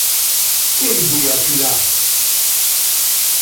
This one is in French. Quelle idée as-tu là?